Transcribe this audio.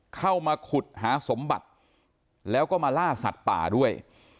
เข้ามาขุดหาสมบัติแล้วก็มาล่าสัตว์ป่าด้วย